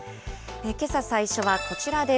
けさ最初はこちらです。